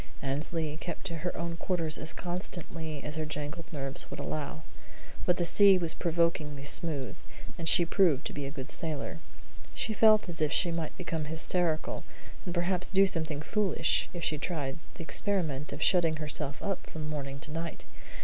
Annesley kept to her own quarters as constantly as her jangled nerves would allow; but the sea was provokingly smooth, and she proved to be a good sailor. She felt as if she might become hysterical, and perhaps do something foolish, if she tried the experiment of shutting herself up from morning to night.